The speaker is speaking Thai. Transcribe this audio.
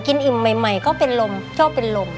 อิ่มใหม่ก็เป็นลมชอบเป็นลม